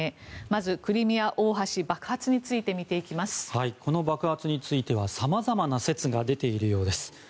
まず、クリミア大橋爆発についてこの爆発についてはさまざまな説が出ているようです。